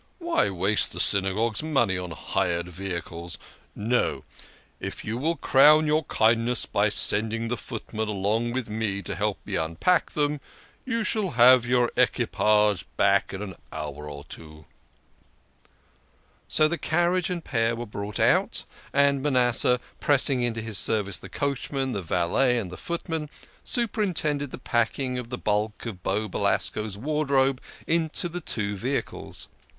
" Why waste the Synagogue's money on hired vehicles ? No, if you will crown your kindness by sending the footman along with me to help me unpack them, you shall have your equipage back in an hour or two." THE KING OF SCHNORRERS. 147 So the carriage and pair were brought out, and Manasseh, pressing into his service the coachman, the valet, and the footman, superintended the packing of the bulk of Beau Belasco's wardrobe into the two vehicles.